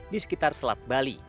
di sekitar selat bali